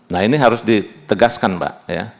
nah ini harus ditegaskan mbak